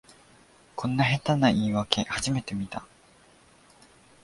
こんな下手な言いわけ初めて見た